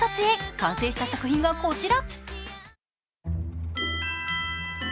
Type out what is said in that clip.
完成した作品がこちら。